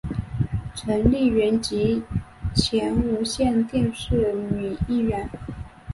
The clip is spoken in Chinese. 陈丽云及前无线电视女艺员。